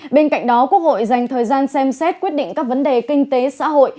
bên cạnh đó quốc hội dành thời gian xem xét quyết định các vấn đề kinh tế xã hội